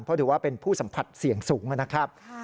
เพราะถือว่าเป็นผู้สัมผัสเสี่ยงสูงนะครับ